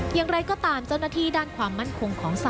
อย่างไรก็ตามเจ้าหน้าที่ด้านความมั่นคงของสห